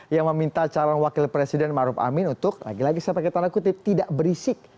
yang meminta calon wakil presiden maruf amin untuk lagi lagi saya pakai tanda kutip tidak berisik